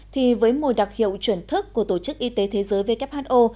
thì với mùi đặc hiệu chuyển thức của tổ chức y tế thế giới who